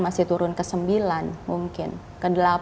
masih turun ke sembilan mungkin ke delapan